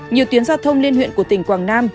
nhiều tuyến giao thông liên huyện của tỉnh quảng nam